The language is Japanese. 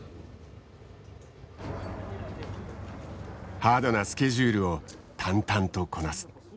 ハードなスケジュールを淡々とこなす。